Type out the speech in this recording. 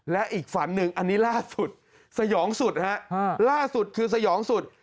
และอีกฝันหนึ่งอันนี้ล่าสุดสยองสุดฮะล่าสุดคือสยองสุด